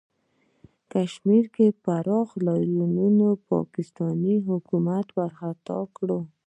کشمیر کې پراخو لاریونونو د پاکستانی حکومت ورخطا کړی